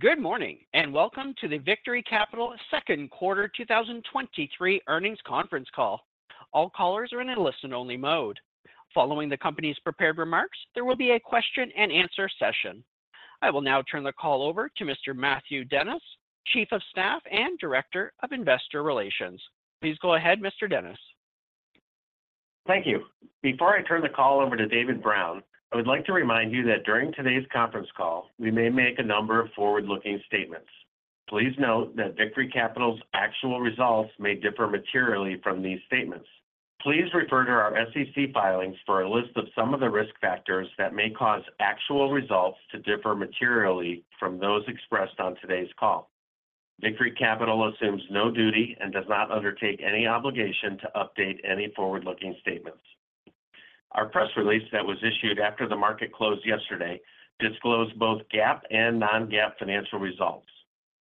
Good morning, and welcome to the Victory Capital Second Quarter 2023 Earnings Conference Call. All callers are in a listen-only mode. Following the company's prepared remarks, there will be a question and answer session. I will now turn the call over to Mr. Matthew Dennis, Chief of Staff and Director of Investor Relations. Please go ahead, Mr. Dennis. Thank you. Before I turn the call over to David Brown, I would like to remind you that during today's conference call, we may make a number of forward-looking statements. Please note that Victory Capital's actual results may differ materially from these statements. Please refer to our SEC filings for a list of some of the risk factors that may cause actual results to differ materially from those expressed on today's call. Victory Capital assumes no duty and does not undertake any obligation to update any forward-looking statements. Our press release that was issued after the market closed yesterday disclosed both GAAP and non-GAAP financial results.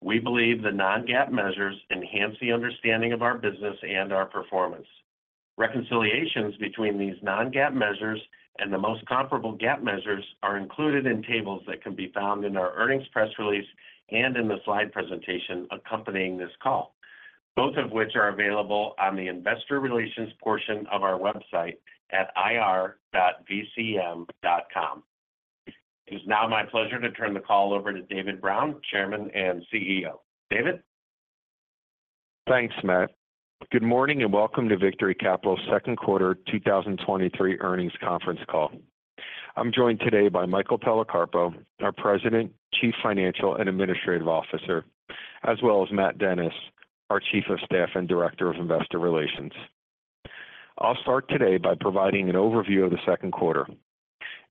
We believe the non-GAAP measures enhance the understanding of our business and our performance. Reconciliations between these non-GAAP measures and the most comparable GAAP measures are included in tables that can be found in our earnings press release and in the slide presentation accompanying this call, both of which are available on the investor relations portion of our website at ir.vcm.com. It is now my pleasure to turn the call over to David Brown, Chairman and CEO. David? Thanks, Matt. Good morning, and welcome to Victory Capital's second quarter 2023 earnings conference call. I'm joined today by Michael Policarpo, our President, Chief Financial, and Administrative Officer, as well as Matt Dennis, our Chief of Staff and Director of Investor Relations. I'll start today by providing an overview of the second quarter.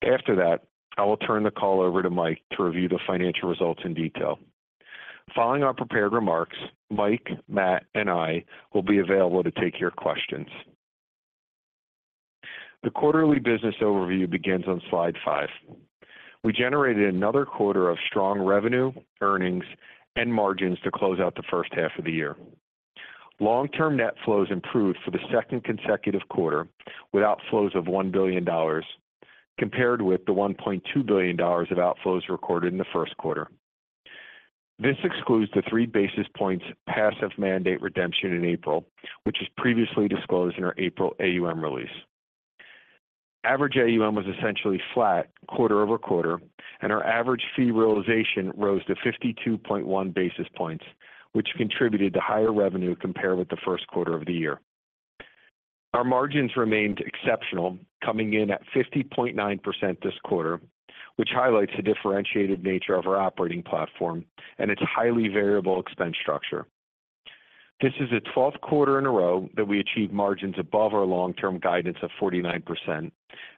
After that, I will turn the call over to Mike to review the financial results in detail. Following our prepared remarks, Mike, Matt, and I will be available to take your questions. The quarterly business overview begins on slide five. We generated another quarter of strong revenue, earnings, and margins to close out the first half of the year. Long-term net flows improved for the second consecutive quarter, with outflows of $1 billion, compared with the $1.2 billion of outflows recorded in the first quarter. This excludes the 3 basis points passive mandate redemption in April, which was previously disclosed in our April AUM release. Average AUM was essentially flat quarter-over-quarter. Our average fee realization rose to 52.1 basis points, which contributed to higher revenue compared with the first quarter of the year. Our margins remained exceptional, coming in at 50.9% this quarter, which highlights the differentiated nature of our operating platform and its highly variable expense structure. This is the 12th quarter in a row that we achieved margins above our long-term guidance of 49%.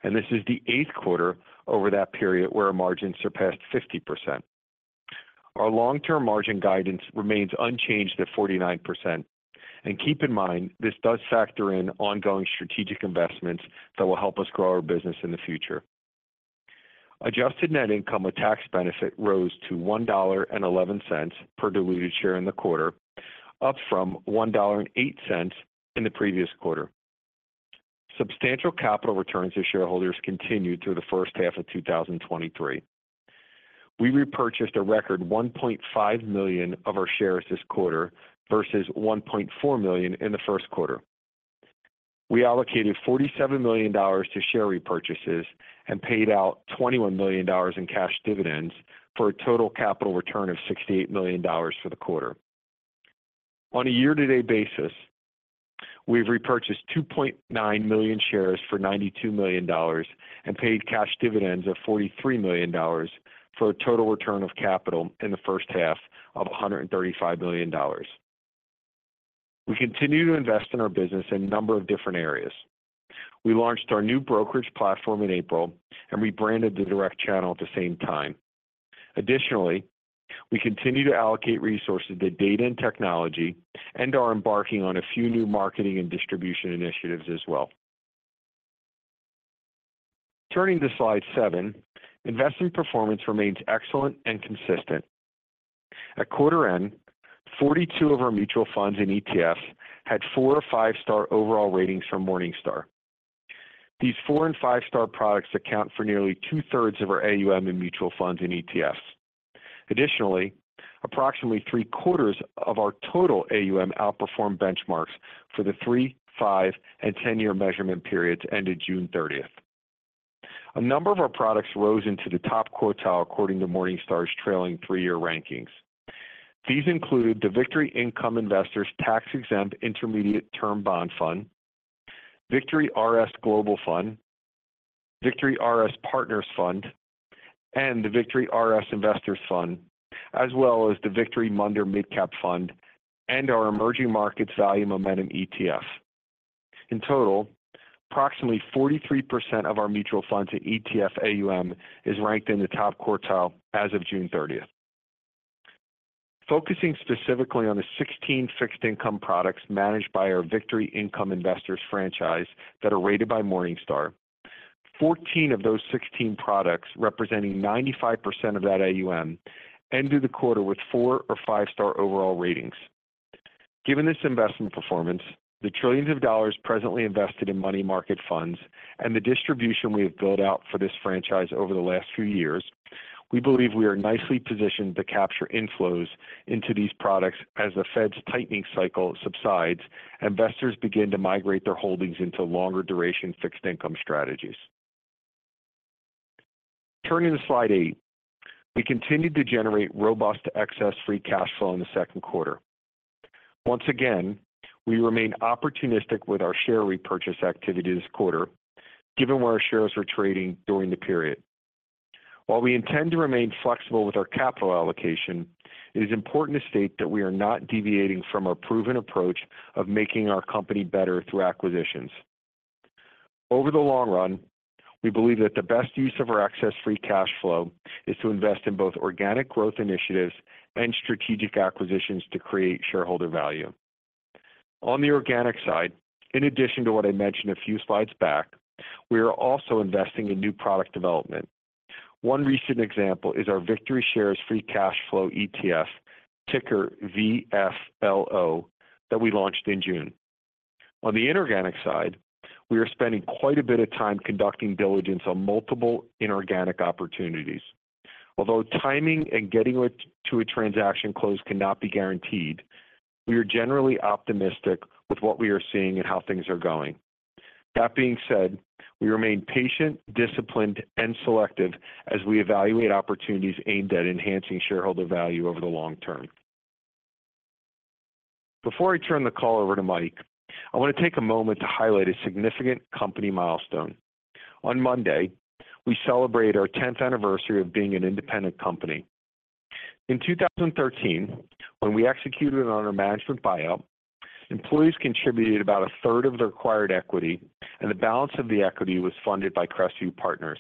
This is the 8th quarter over that period where our margins surpassed 50%. Our long-term margin guidance remains unchanged at 49%. Keep in mind, this does factor in ongoing strategic investments that will help us grow our business in the future. Adjusted net income with tax benefit rose to $1.11 per diluted share in the quarter, up from $1.08 in the previous quarter. Substantial capital returns to shareholders continued through the first half of 2023. We repurchased a record 1.5 million of our shares this quarter versus 1.4 million in the first quarter. We allocated $47 million to share repurchases and paid out $21 million in cash dividends, for a total capital return of $68 million for the quarter. On a year-to-date basis, we've repurchased 2.9 million shares for $92 million and paid cash dividends of $43 million, for a total return of capital in the first half of $135 million. We continue to invest in our business in a number of different areas. We launched our new brokerage platform in April. We branded the direct channel at the same time. We continue to allocate resources to data and technology and are embarking on a few new marketing and distribution initiatives as well. Turning to slide seven, investment performance remains excellent and consistent. At quarter end, 42 of our mutual funds and ETFs had four or five-star overall ratings from Morningstar. These four and five-star products account for nearly two-thirds of our AUM in mutual funds and ETFs. Approximately three-quarters of our total AUM outperformed benchmarks for the three, five, and 10-year measurement periods ended June 30th. A number of our products rose into the top quartile according to Morningstar's trailing three-year rankings. These included the Victory Income Investors Tax Exempt Intermediate-Term Bond Fund, Victory RS Global Fund, Victory RS Partners Fund, and the Victory RS Investors Fund, as well as the Victory Munder Mid-Cap Fund and our Emerging Markets Value Momentum ETF. In total, approximately 43% of our mutual funds and ETF AUM is ranked in the top quartile as of June 30th. Focusing specifically on the 16 fixed income products managed by our Victory Income Investors franchise that are rated by Morningstar, 14 of those 16 products, representing 95% of that AUM, ended the quarter with four or five-star overall ratings. Given this investment performance, the trillions of dollars presently invested in money market funds, and the distribution we have built out for this franchise over the last few years, we believe we are nicely positioned to capture inflows into these products as the Fed's tightening cycle subsides, investors begin to migrate their holdings into longer-duration fixed income strategies. Turning to slide eight. We continued to generate robust excess free cash flow in the second quarter. Once again, we remain opportunistic with our share repurchase activity this quarter, given where our shares were trading during the period. While we intend to remain flexible with our capital allocation, it is important to state that we are not deviating from our proven approach of making our company better through acquisitions. Over the long run, we believe that the best use of our excess free cash flow is to invest in both organic growth initiatives and strategic acquisitions to create shareholder value. On the organic side, in addition to what I mentioned a few slides back, we are also investing in new product development. One recent example is our VictoryShares Free Cash Flow ETF, ticker VFLO, that we launched in June. On the inorganic side, we are spending quite a bit of time conducting diligence on multiple inorganic opportunities. Although timing and getting it to a transaction close cannot be guaranteed, we are generally optimistic with what we are seeing and how things are going. That being said, we remain patient, disciplined, and selective as we evaluate opportunities aimed at enhancing shareholder value over the long term. Before I turn the call over to Mike, I want to take a moment to highlight a significant company milestone. On Monday, we celebrated our 10th anniversary of being an independent company. In 2013, when we executed on our management buyout, employees contributed about a third of their acquired equity, and the balance of the equity was funded by Crestview Partners.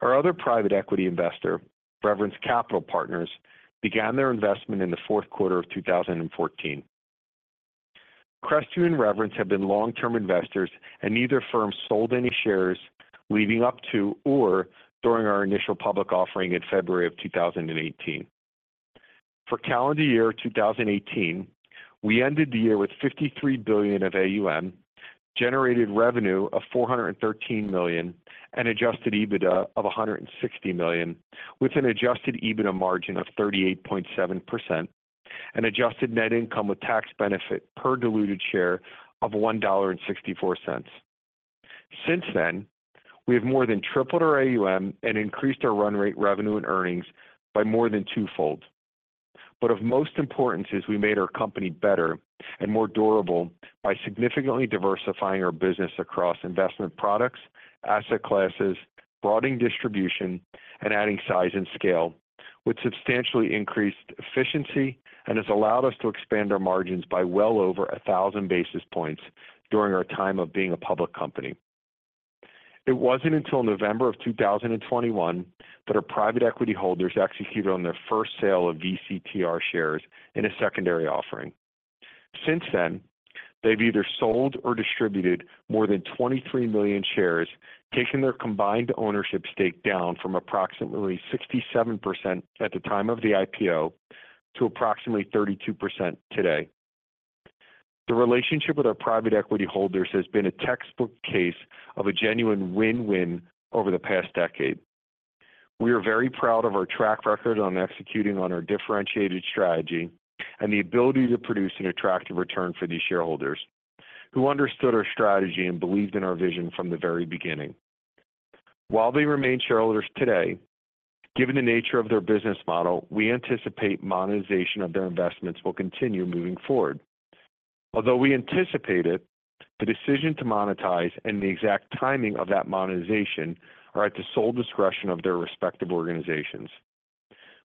Our other private equity investor, Reverence Capital Partners, began their investment in the 4th quarter of 2014. Crestview and Reverence have been long-term investors, and neither firm sold any shares leading up to or during our initial public offering in February of 2018. For calendar year 2018, we ended the year with $53 billion of AUM, generated revenue of $413 million, and Adjusted EBITDA of $160 million, with an Adjusted EBITDA margin of 38.7%, and adjusted net income with tax benefit per diluted share of $1.64. Since then, we have more than tripled our AUM and increased our run rate revenue and earnings by more than twofold. Of most importance is we made our company better and more durable by significantly diversifying our business across investment products, asset classes, broadening distribution, and adding size and scale, which substantially increased efficiency and has allowed us to expand our margins by well over 1,000 basis points during our time of being a public company. It wasn't until November 2021 that our private equity holders executed on their first sale of VCTR shares in a secondary offering. Since then, they've either sold or distributed more than 23 million shares, taking their combined ownership stake down from approximately 67% at the time of the IPO to approximately 32% today. The relationship with our private equity holders has been a textbook case of a genuine win-win over the past decade. We are very proud of our track record on executing on our differentiated strategy and the ability to produce an attractive return for these shareholders, who understood our strategy and believed in our vision from the very beginning. While they remain shareholders today, given the nature of their business model, we anticipate monetization of their investments will continue moving forward. Although we anticipate it, the decision to monetize and the exact timing of that monetization are at the sole discretion of their respective organizations.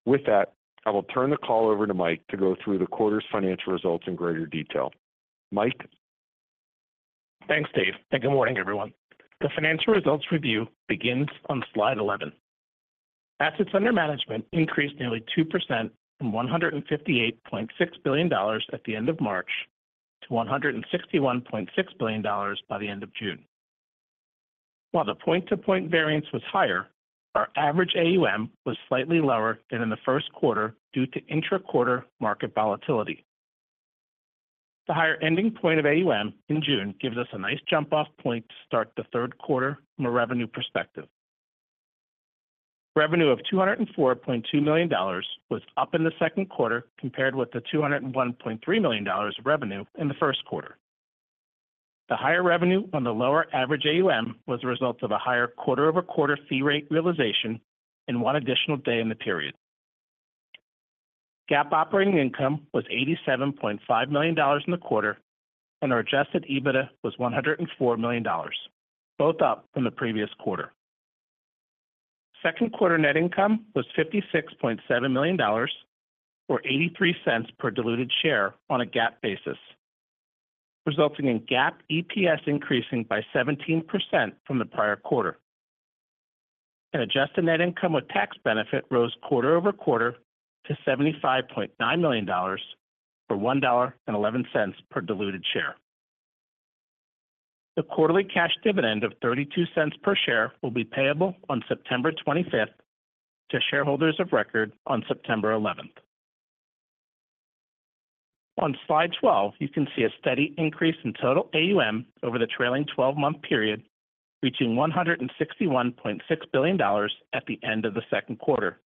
With that, I will turn the call over to Mike to go through the quarter's financial results in greater detail. Mike? Thanks, Dave. Good morning, everyone. The financial results review begins on slide 11. Assets under management increased nearly 2% from $158.6 billion at the end of March to $161.6 billion by the end of June. While the point-to-point variance was higher, our average AUM was slightly lower than in the first quarter due to intra-quarter market volatility. The higher ending point of AUM in June gives us a nice jump-off point to start the third quarter from a revenue perspective. Revenue of $204.2 million was up in the second quarter compared with the $201.3 million of revenue in the first quarter. The higher revenue on the lower average AUM was a result of a higher quarter-over-quarter fee rate realization and one additional day in the period. GAAP operating income was $87.5 million in the quarter, and our Adjusted EBITDA was $104 million, both up from the previous quarter. Second quarter net income was $56.7 million, or $0.83 per diluted share on a GAAP basis, resulting in GAAP EPS increasing by 17% from the prior quarter. Adjusted net income with tax benefit rose quarter-over-quarter to $75.9 million, or $1.11 per diluted share. The quarterly cash dividend of $0.32 per share will be payable on September 25th, to shareholders of record on September 11th. On slide 12, you can see a steady increase in total AUM over the trailing 12-month period, reaching $161.6 billion at the end of the second quarter.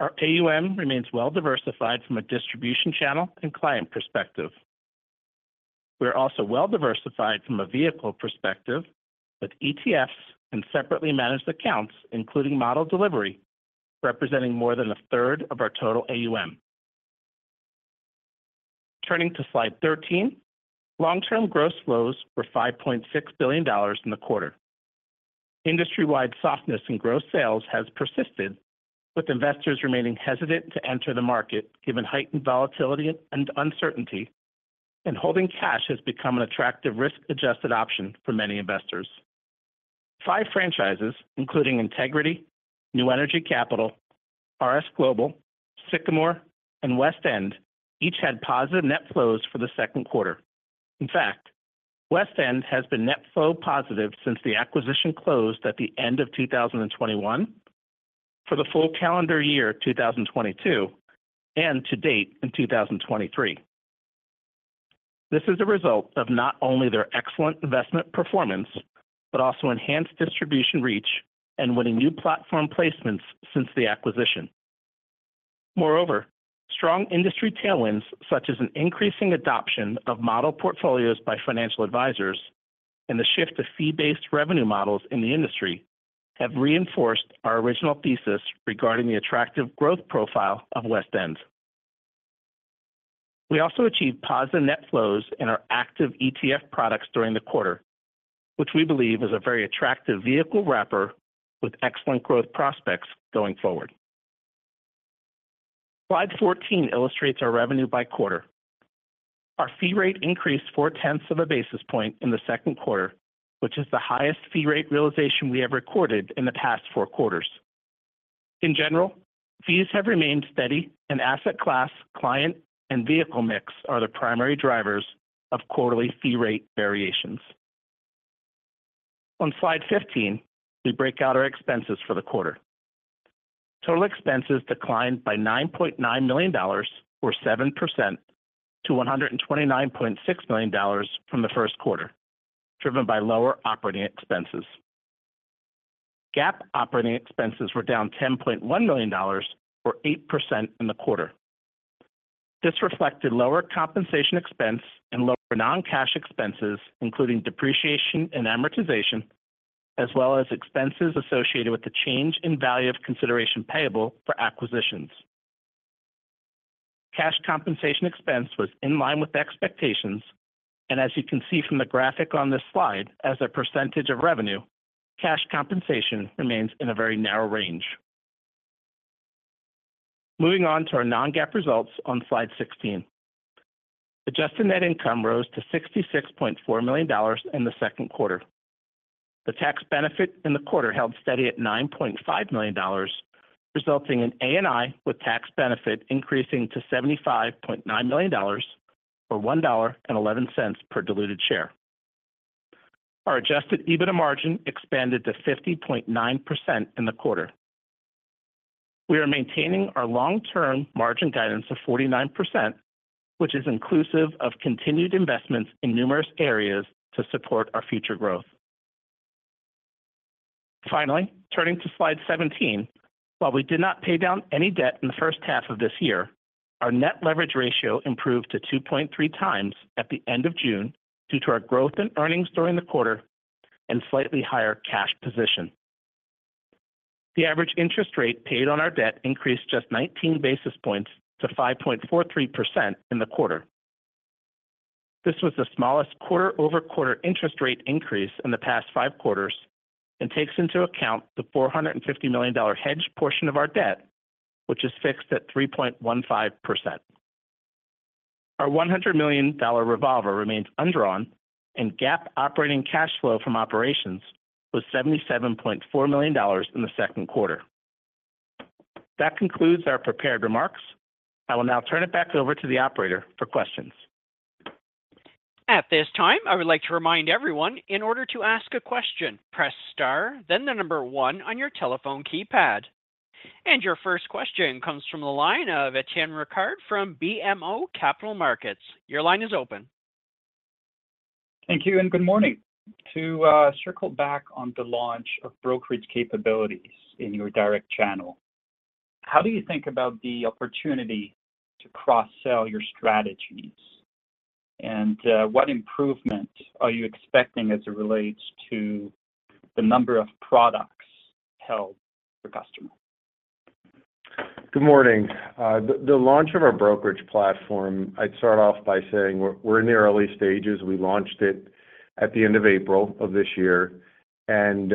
Our AUM remains well-diversified from a distribution channel and client perspective. We are also well-diversified from a vehicle perspective, with ETFs and separately managed accounts, including model delivery, representing more than a third of our total AUM. Turning to slide 13, long-term gross flows were $5.6 billion in the quarter. Industry-wide softness in gross sales has persisted, with investors remaining hesitant to enter the market, given heightened volatility and uncertainty, and holding cash has become an attractive risk-adjusted option for many investors. Five franchises, including Integrity, New Energy Capital, RS Global, Sycamore, and WestEnd, each had positive net flows for the second quarter. In fact, WestEnd has been net flow positive since the acquisition closed at the end of 2021, for the full calendar year 2022, and to date in 2023. This is a result of not only their excellent investment performance, but also enhanced distribution reach and winning new platform placements since the acquisition. Moreover, strong industry tailwinds, such as an increasing adoption of model portfolios by financial advisors and the shift to fee-based revenue models in the industry, have reinforced our original thesis regarding the attractive growth profile of WestEnd. We also achieved positive net flows in our active ETF products during the quarter, which we believe is a very attractive vehicle wrapper with excellent growth prospects going forward. Slide 14 illustrates our revenue by quarter. Our fee rate increased 0.4 of a basis point in the 2Q, which is the highest fee rate realization we have recorded in the past four quarters. In general, fees have remained steady. Asset class, client, and vehicle mix are the primary drivers of quarterly fee rate variations. On slide 15, we break out our expenses for the quarter. Total expenses declined by $9.9 million, or 7%, to $129.6 million from the 1Q, driven by lower operating expenses. GAAP operating expenses were down $10.1 million, or 8% in the quarter. This reflected lower compensation expense and lower non-cash expenses, including depreciation and amortization, as well as expenses associated with the change in value of consideration payable for acquisitions. Cash compensation expense was in line with expectations, as you can see from the graphic on this slide, as a percentage of revenue, cash compensation remains in a very narrow range. Moving on to our non-GAAP results on slide 16. Adjusted net income rose to $66.4 million in the second quarter. The tax benefit in the quarter held steady at $9.5 million, resulting in ANI with tax benefit increasing to $75.9 million, or $1.11 per diluted share. Our Adjusted EBITDA margin expanded to 50.9% in the quarter. We are maintaining our long-term margin guidance of 49%, which is inclusive of continued investments in numerous areas to support our future growth. Finally, turning to slide 17. While we did not pay down any debt in the first half of this year, our net leverage ratio improved to 2.3x at the end of June due to our growth in earnings during the quarter and slightly higher cash position. The average interest rate paid on our debt increased just 19 basis points to 5.43% in the quarter. This was the smallest quarter-over-quarter interest rate increase in the past five quarters and takes into account the $450 million hedged portion of our debt, which is fixed at 3.15%. Our $100 million revolver remains undrawn, and GAAP operating cash flow from operations was $77.4 million in the second quarter. That concludes our prepared remarks. I will now turn it back over to the operator for questions. At this time, I would like to remind everyone, in order to ask a question, press star, then the one on your telephone keypad. Your first question comes from the line of Etienne Ricard from BMO Capital Markets. Your line is open. Thank you and good morning. To circle back on the launch of brokerage capabilities in your direct channel, how do you think about the opportunity to cross-sell your strategies? What improvement are you expecting as it relates to the number of products held per customer? Good morning. The launch of our brokerage platform, I'd start off by saying we're in the early stages. We launched it at the end of April of this year, and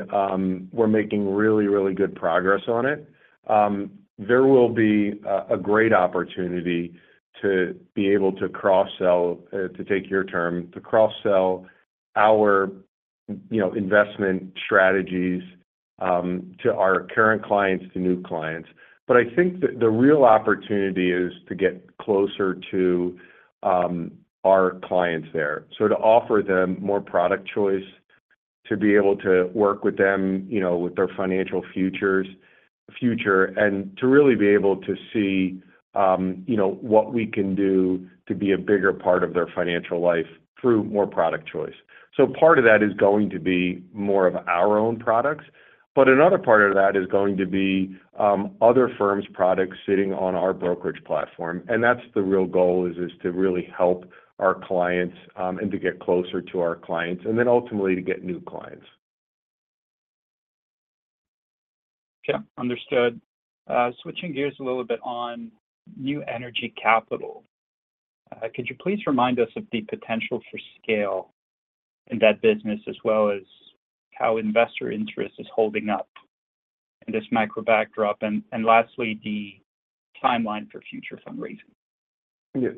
we're making really, really good progress on it. There will be a great opportunity to be able to cross-sell, to take your term, to cross-sell our, you know, investment strategies, to our current clients, to new clients. I think that the real opportunity is to get closer to our clients there. To offer them more product choice, to be able to work with them, you know, with their financial future, and to really be able to see, you know, what we can do to be a bigger part of their financial life through more product choice. Part of that is going to be more of our own products, but another part of that is going to be, other firms' products sitting on our brokerage platform. That's the real goal, is just to really help our clients, and to get closer to our clients, and then ultimately, to get new clients. Yeah, understood. Switching gears a little bit on New Energy Capital. Could you please remind us of the potential for scale in that business, as well as how investor interest is holding up in this macro backdrop, and lastly, the timeline for future fundraising? Yeah.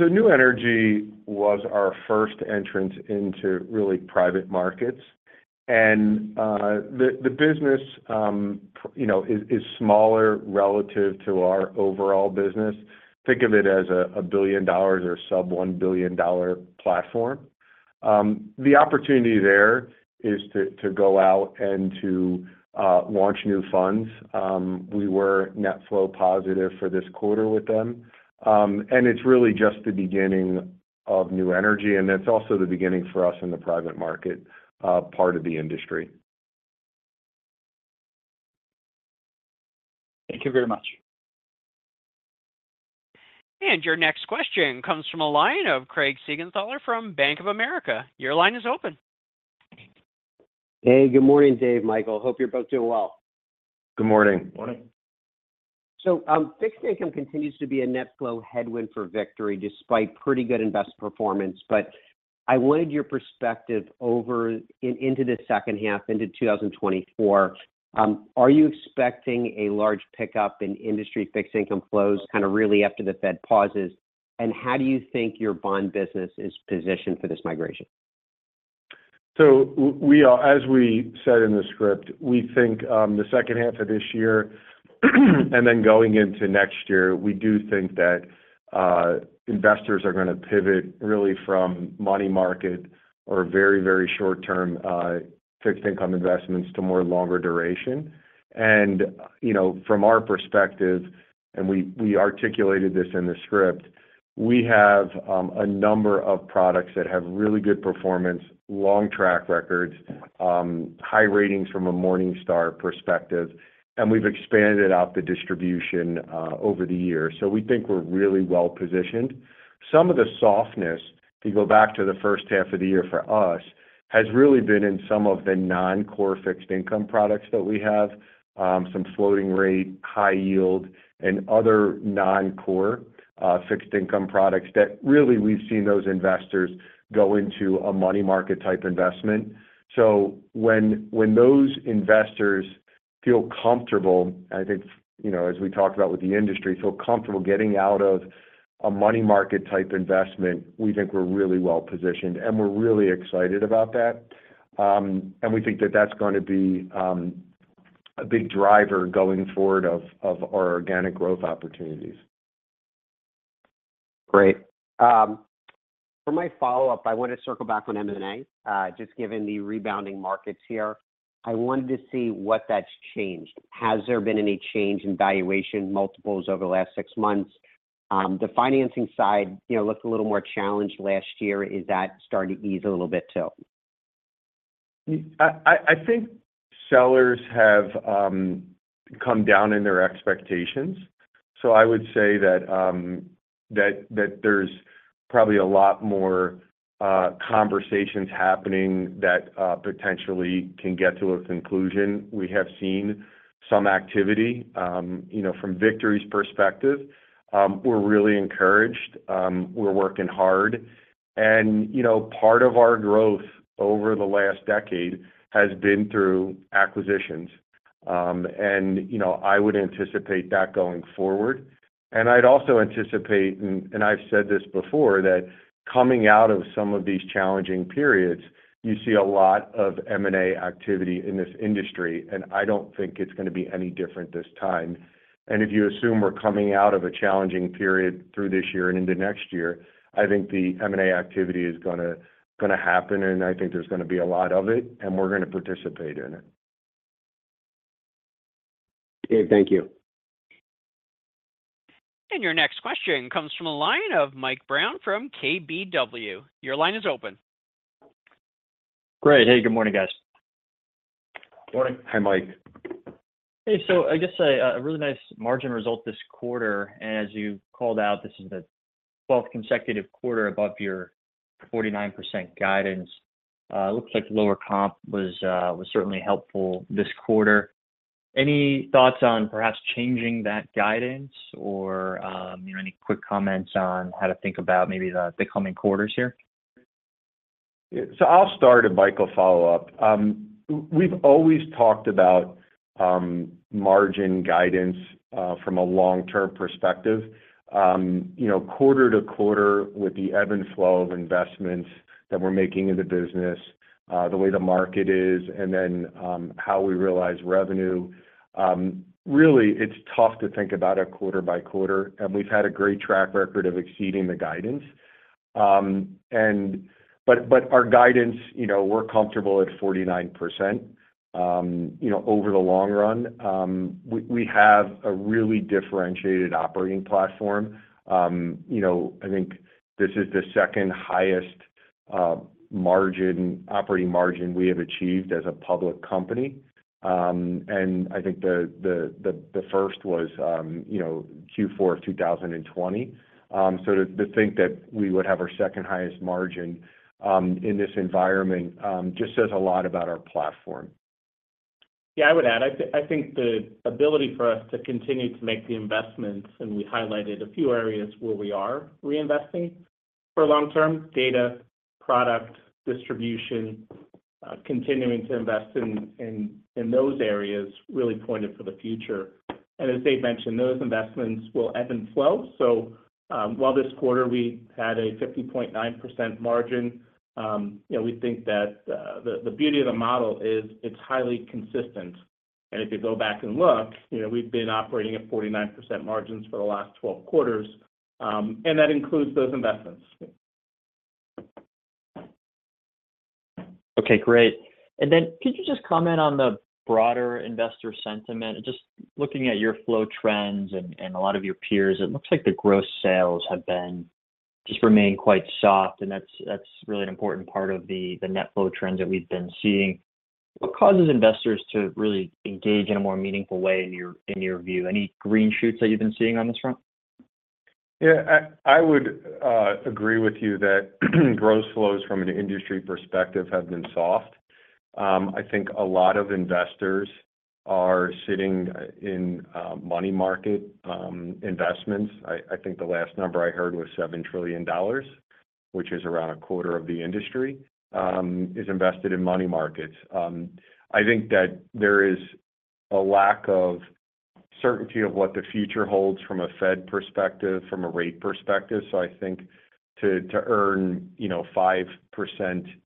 New Energy was our first entrance into really private markets. The business, you know, is smaller relative to our overall business. Think of it as a $1 billion or sub-$1 billion platform. The opportunity there is to go out and to launch new funds. We were net flow positive for this quarter with them. It's really just the beginning of New Energy, and it's also the beginning for us in the private market part of the industry. Thank you very much. Your next question comes from a line of Craig Siegenthaler from Bank of America. Your line is open. Hey, good morning, Dave, Michael. Hope you're both doing well. Good morning. Morning. Fixed income continues to be a net flow headwind for Victory, despite pretty good invest performance. I wanted your perspective into the second half into 2024. Are you expecting a large pickup in industry fixed income flows, kind of really after the Fed pauses? How do you think your bond business is positioned for this migration? We are as we said in the script, we think, the second half of this year, and then going into next year, we do think that investors are gonna pivot really from money market or very, very short-term fixed income investments to more longer duration. You know, from our perspective, and we, we articulated this in the script, we have a number of products that have really good performance, long track records, high ratings from a Morningstar perspective, and we've expanded out the distribution over the years. We think we're really well positioned. Some of the softness, to go back to the first half of the year for us, has really been in some of the non-core fixed income products that we have. Some floating rate, high yield, and other non-core fixed income products that really we've seen those investors go into a money market type investment. When, when those investors feel comfortable, I think, you know, as we talked about with the industry, feel comfortable getting out of a money market type investment, we think we're really well positioned, and we're really excited about that. We think that that's going to be a big driver going forward of, of our organic growth opportunities. Great. For my follow-up, I want to circle back on M&A. Just given the rebounding markets here, I wanted to see what that's changed. Has there been any change in valuation multiples over the last six months? The financing side, you know, looked a little more challenged last year. Is that starting to ease a little bit, too? I, I, I think sellers have come down in their expectations. I would say that, that, that there's probably a lot more conversations happening that potentially can get to a conclusion. We have seen some activity. You know, from Victory's perspective, we're really encouraged. We're working hard. You know, part of our growth over the last decade has been through acquisitions. You know, I would anticipate that going forward. I'd also anticipate, and, and I've said this before, that coming out of some of these challenging periods, you see a lot of M&A activity in this industry, and I don't think it's gonna be any different this time. If you assume we're coming out of a challenging period through this year and into next year, I think the M&A activity is gonna, gonna happen, and I think there's gonna be a lot of it, and we're gonna participate in it. Okay. Thank you. Your next question comes from a line of Mike Brown from KBW. Your line is open. Great. Hey, good morning, guys. Morning. Hi, Mike. Hey, I guess a really nice margin result this quarter, and as you called out, this is the 12th consecutive quarter above your 49% guidance. Looks like lower comp was certainly helpful this quarter. Any thoughts on perhaps changing that guidance or, you know, any quick comments on how to think about maybe the coming quarters here? I'll start, and Mike will follow up. We've always talked about margin guidance from a long-term perspective. You know, quarter to quarter with the ebb and flow of investments that we're making in the business, the way the market is, and then, how we realize revenue, really, it's tough to think about it quarter by quarter. We've had a great track record of exceeding the guidance. Our guidance, you know, we're comfortable at 49%. You know, over the long run, we have a really differentiated operating platform. You know, I think this is the second highest margin, operating margin we have achieved as a public company. I think the first was, you know, Q4 of 2020. To, to think that we would have our second highest margin, in this environment, just says a lot about our platform. Yeah, I would add, I think the ability for us to continue to make the investments, we highlighted a few areas where we are reinvesting. For long term, data, product, distribution, continuing to invest in those areas really pointed for the future. As Dave mentioned, those investments will ebb and flow. While this quarter we had a 50.9% margin, you know, we think that the beauty of the model is it's highly consistent. If you go back and look, you know, we've been operating at 49% margins for the last 12 quarters, and that includes those investments. Okay, great. Then could you just comment on the broader investor sentiment? Just looking at your flow trends and, and a lot of your peers, it looks like the gross sales have been just remained quite soft, and that's, that's really an important part of the, the net flow trends that we've been seeing. What causes investors to really engage in a more meaningful way in your, in your view? Any green shoots that you've been seeing on this front? Yeah, I, I would agree with you that gross flows from an industry perspective have been soft. I think a lot of investors are sitting in money market investments. I, I think the last number I heard was $7 trillion, which is around a quarter of the industry, is invested in money markets. I think that there is a lack of certainty of what the future holds from a Fed perspective, from a rate perspective. I think to, to earn, you know, 5%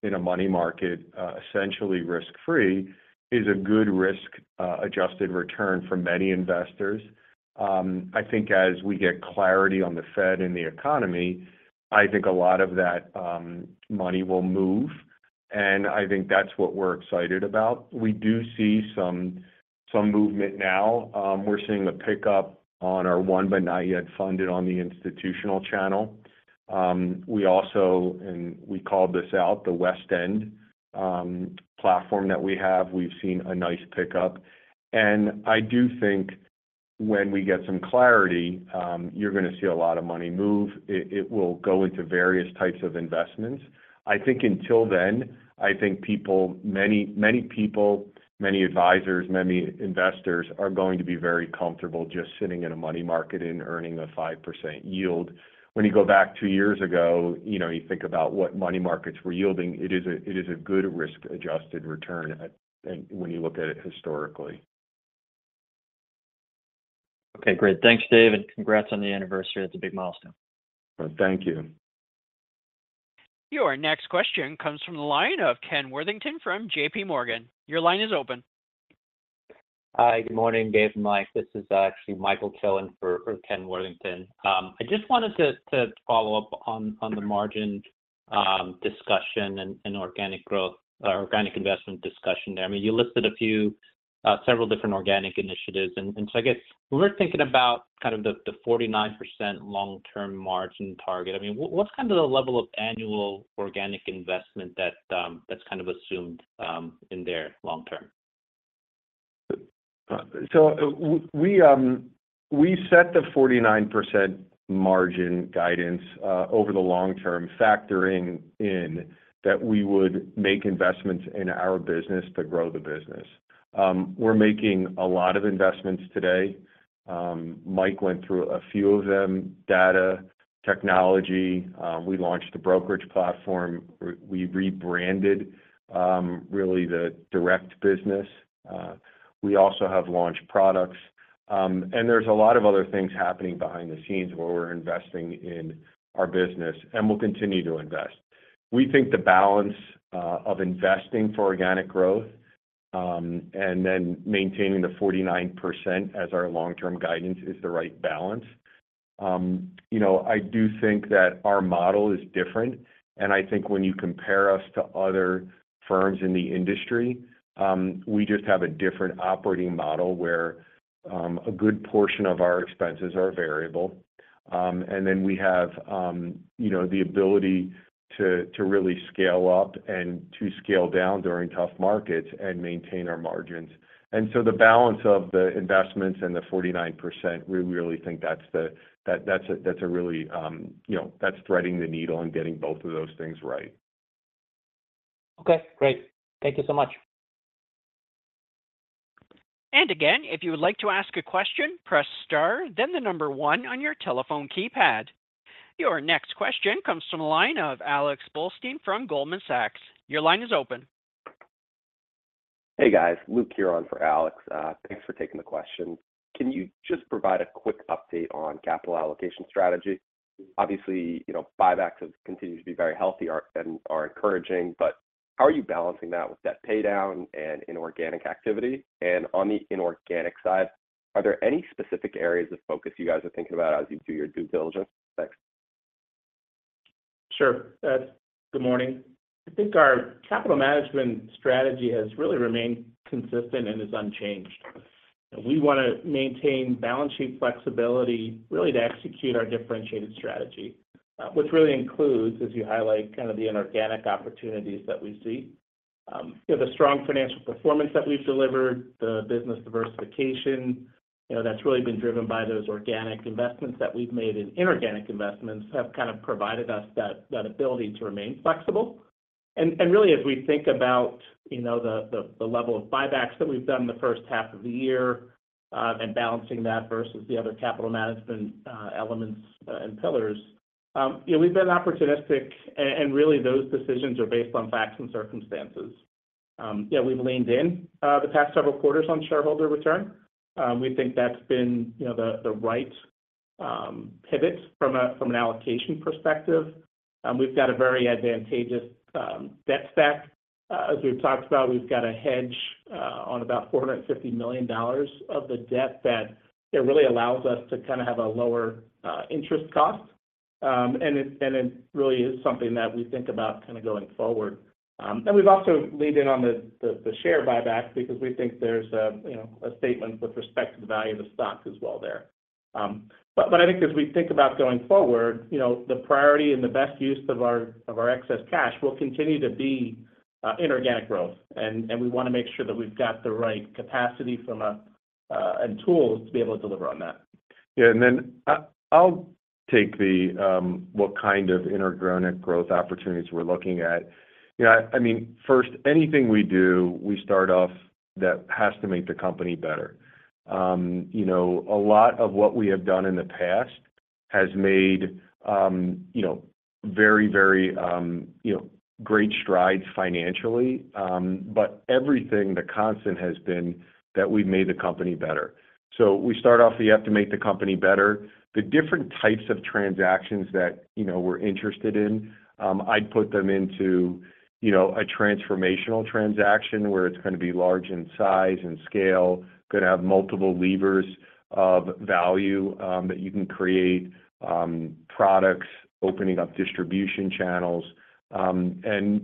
in a money market, essentially risk-free, is a good risk adjusted return for many investors. I think as we get clarity on the Fed and the economy, I think a lot of that money will move, and I think that's what we're excited about. We do see some, some movement now. We're seeing a pickup on our won, but not yet funded on the institutional channel. We also, we called this out, the WestEnd platform that we have, we've seen a nice pickup. I do think when we get some clarity, you're gonna see a lot of money move. It will go into various types of investments. I think until then, I think people, many, many people, many advisors, many investors, are going to be very comfortable just sitting in a money market and earning a 5% yield. When you go back two years ago, you know, you think about what money markets were yielding, it is a, it is a good risk-adjusted return, when you look at it historically. Okay, great. Thanks, Dave, and congrats on the anniversary. That's a big milestone. Thank you. Your next question comes from the line of Ken Worthington from J.P. Morgan. Your line is open. Hi, good morning, Dave and Mike. This is actually Michael Cho on for Ken Worthington. I just wanted to follow up on the margin discussion and organic growth, or organic investment discussion there. I mean, you listed a few, several different organic initiatives, so I guess we're thinking about kind of the 49% long-term margin target. I mean, what, what's kind of the level of annual organic investment that, that's kind of assumed in there long term? We set the 49% margin guidance over the long term, factoring in that we would make investments in our business to grow the business. We're making a lot of investments today. Mike went through a few of them, data, technology, we launched the brokerage platform, we rebranded really the direct business. We also have launched products. There's a lot of other things happening behind the scenes where we're investing in our business, and we'll continue to invest. We think the balance of investing for organic growth, and then maintaining the 49% as our long-term guidance is the right balance. You know, I do think that our model is different, and I think when you compare us to other firms in the industry, we just have a different operating model, where, a good portion of our expenses are variable. Then we have, you know, the ability to, to really scale up and to scale down during tough markets and maintain our margins. So the balance of the investments and the 49%, we really think that's that, that's a, that's a really, you know, that's threading the needle and getting both of those things right. Okay, great. Thank you so much. Again, if you would like to ask a question, press star, then one on your telephone keypad. Your next question comes from the line of Alex Blostein from Goldman Sachs. Your line is open. Hey, guys. Luke here on for Alex. Thanks for taking the question. Can you just provide a quick update on capital allocation strategy? Obviously, you know, buybacks have continued to be very healthy and are encouraging, but how are you balancing that with debt paydown and inorganic activity? On the inorganic side, are there any specific areas of focus you guys are thinking about as you do your due diligence? Thanks. Sure. good morning. I think our capital management strategy has really remained consistent and is unchanged. We want to maintain balance sheet flexibility, really, to execute our differentiated strategy, which really includes, as you highlight, kind of the inorganic opportunities that we see. you know, the strong financial performance that we've delivered, the business diversification, you know, that's really been driven by those organic investments that we've made in inorganic investments have kind of provided us that, that ability to remain flexible. really, as we think about, you know, the, the, the level of buybacks that we've done in the first half of the year, and balancing that versus the other capital management, elements and pillars, you know, we've been opportunistic, and, and really, those decisions are based on facts and circumstances. Yeah, we've leaned in the past several quarters on shareholder return. We think that's been, you know, the right pivot from an allocation perspective. We've got a very advantageous debt stack. As we've talked about, we've got a hedge on about $450 million of the debt that it really allows us to kind of have a lower interest cost, and it really is something that we think about kind of going forward. We've also leaned in on the share buyback because we think there's a, you know, a statement with respect to the value of the stock as well there. I think as we think about going forward, you know, the priority and the best use of our, of our excess cash will continue to be, inorganic growth. We want to make sure that we've got the right capacity from a, and tools to be able to deliver on that. Yeah, then I-I'll take the what kind of inorganic growth opportunities we're looking at. You know, I mean, first, anything we do, we start off that has to make the company better. You know, a lot of what we have done in the past has made, you know, very, very, you know, great strides financially. Everything, the constant has been that we've made the company better. We start off, you have to make the company better. The different types of transactions that, you know, we're interested in, I'd put them into, you know, a transformational transaction where it's going to be large in size and scale, going to have multiple levers of value that you can create, products, opening up distribution channels.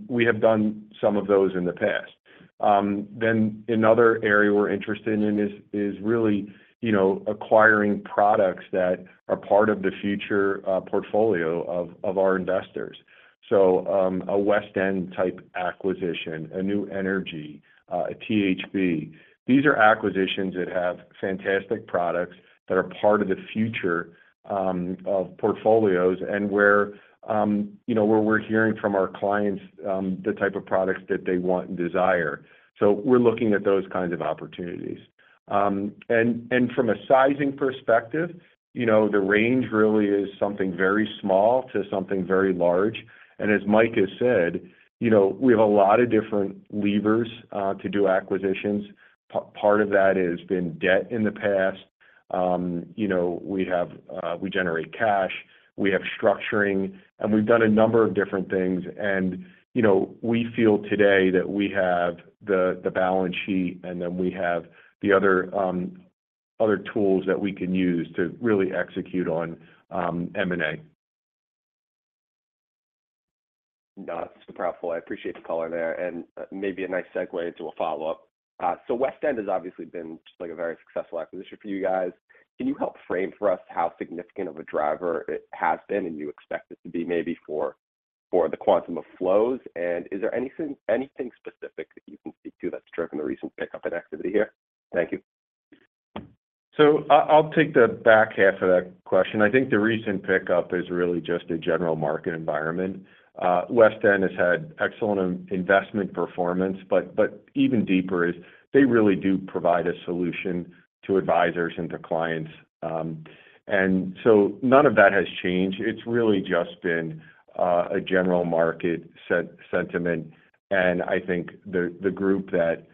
We have done some of those in the past. Another area we're interested in is, is really, you know, acquiring products that are part of the future portfolio of our investors. A WestEnd type acquisition, a New Energy, a THB. These are acquisitions that have fantastic products that are part of the future of portfolios and where, you know, where we're hearing from our clients, the type of products that they want and desire. We're looking at those kinds of opportunities. And, and from a sizing perspective, you know, the range really is something very small to something very large. And as Mike has said, you know, we have a lot of different levers to do acquisitions. Part of that has been debt in the past. You know, we have, we generate cash, we have structuring, and we've done a number of different things. You know, we feel today that we have the, the balance sheet, and then we have the other tools that we can use to really execute on M&A. No, it's powerful. I appreciate the color there, and maybe a nice segue into a follow-up. WestEnd has obviously been just like a very successful acquisition for you guys. Can you help frame for us how significant of a driver it has been, and you expect it to be maybe for, for the quantum of flows? Is there anything, anything specific that you can speak to that's driven the recent pickup in activity here? Thank you. I, I'll take the back half of that question. I think the recent pickup is really just a general market environment. WestEnd has had excellent investment performance, but, but even deeper is they really do provide a solution to advisors and to clients. And so none of that has changed. It's really just been, a general market sentiment, and I think the, the group that,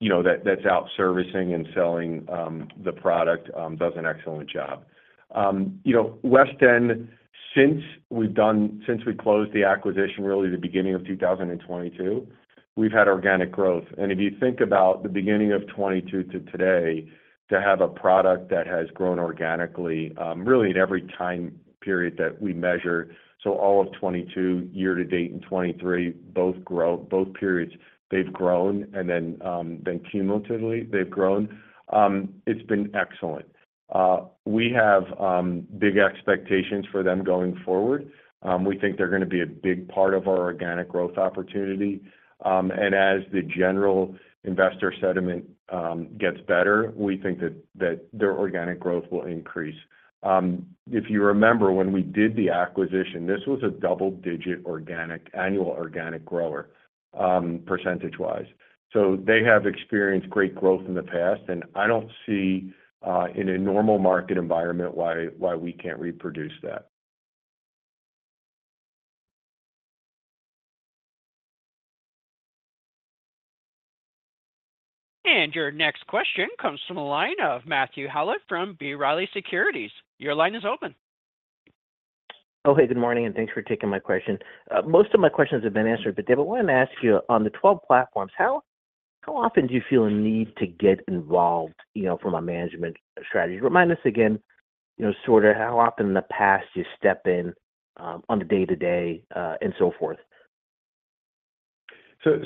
you know, that's out servicing and selling, the product, does an excellent job. You know, WestEnd, since we closed the acquisition, really the beginning of 2022, we've had organic growth. If you think about the beginning of 2022 to today, to have a product that has grown organically, really at every time period that we measure, so all of 2022, year to date in 2023, both grow, both periods they've grown and then then cumulatively, they've grown. It's been excellent. We have big expectations for them going forward. We think they're going to be a big part of our organic growth opportunity. As the general investor sentiment gets better, we think that that their organic growth will increase. If you remember, when we did the acquisition, this was a double-digit organic, annual organic grower, percentage-wise. They have experienced great growth in the past, and I don't see in a normal market environment, why why we can't reproduce that. Your next question comes from the line of Matthew Howlett from B. Riley Securities. Your line is open. Oh, hey, good morning, and thanks for taking my question. Most of my questions have been answered. Dave, I wanted to ask you, on the 12 platforms, how often do you feel a need to get involved, you know, from a management strategy? Remind us again, you know, sort of how often in the past you step in on the day-to-day and so forth?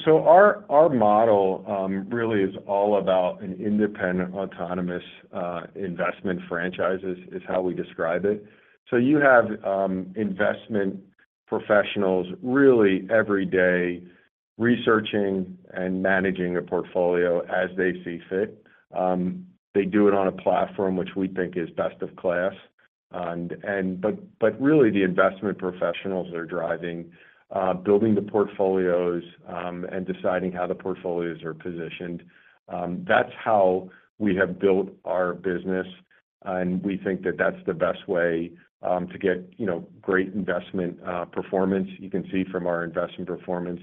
Our, our model really is all about an independent, autonomous investment franchises, is how we describe it. You have investment professionals really every day researching and managing a portfolio as they see fit. They do it on a platform which we think is best of class. Really the investment professionals are driving building the portfolios and deciding how the portfolios are positioned. That's how we have built our business, and we think that that's the best way to get, you know, great investment performance. You can see from our investment performance,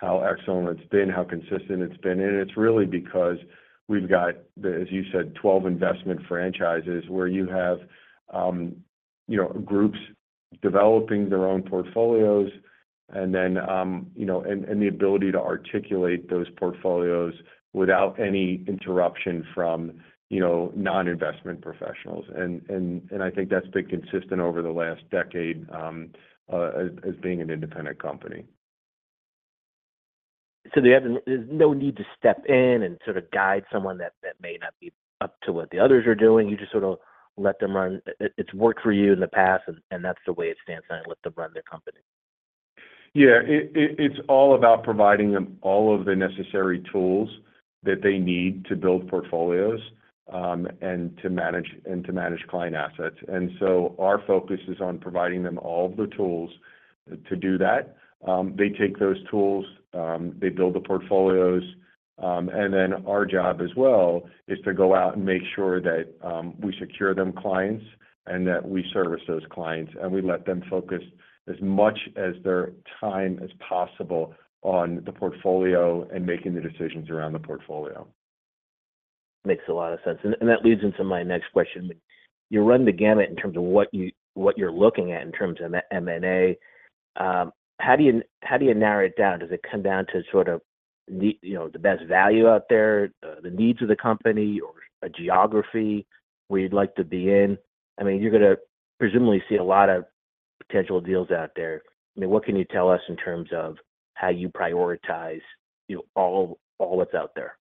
how excellent it's been, how consistent it's been, and it's really because we've got, as you said, 12 investment franchises where you have, you know, groups developing their own portfolios and then, you know, and, and the ability to articulate those portfolios without any interruption from, you know, non-investment professionals. And, and I think that's been consistent over the last decade, as, as being an independent company. There's no need to step in and sort of guide someone that, that may not be up to what the others are doing. You just sort of let them run. It, it's worked for you in the past, and that's the way it stands, and let them run the company. Yeah. It, it, it's all about providing them all of the necessary tools that they need to build portfolios, and to manage, and to manage client assets. Our focus is on providing them all the tools to do that. They take those tools, they build the portfolios, our job as well is to go out and make sure that we secure them clients and that we service those clients, and we let them focus as much of their time as possible on the portfolio and making the decisions around the portfolio. Makes a lot of sense. That leads into my next question. You run the gamut in terms of what you, what you're looking at in terms of M&A. How do you, how do you narrow it down? Does it come down to sort of you know, the best value out there, the needs of the company or a geography where you'd like to be in? I mean, you're gonna presumably see a lot of potential deals out there. I mean, what can you tell us in terms of how you prioritize, you know, all, all that's out there?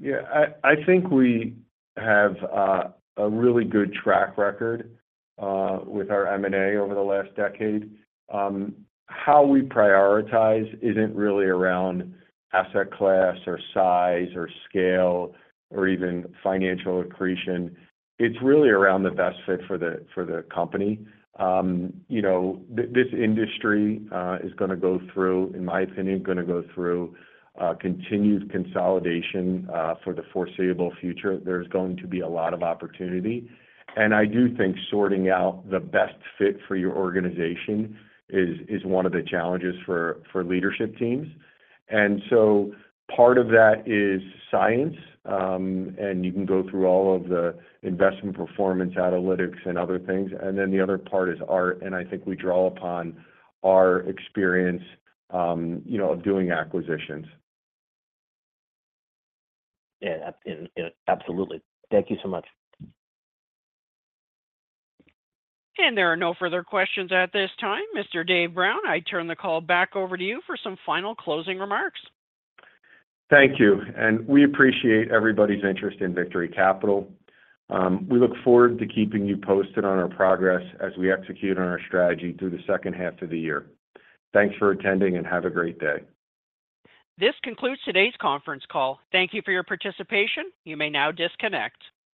Yeah, I, I think we have a really good track record with our M&A over the last decade. How we prioritize isn't really around asset class or size or scale or even financial accretion. It's really around the best fit for the, for the company. You know, this industry is gonna go through, in my opinion, gonna go through continued consolidation for the foreseeable future. There's going to be a lot of opportunity, and I do think sorting out the best fit for your organization is, is one of the challenges for, for leadership teams. And so part of that is science, and you can go through all of the investment performance, analytics, and other things. And then the other part is art, and I think we draw upon our experience, you know, doing acquisitions. Yeah, absolutely. Thank you so much. There are no further questions at this time. Mr. Dave Brown, I turn the call back over to you for some final closing remarks. Thank you. We appreciate everybody's interest in Victory Capital. We look forward to keeping you posted on our progress as we execute on our strategy through the second half of the year. Thanks for attending, and have a great day. This concludes today's conference call. Thank you for your participation. You may now disconnect.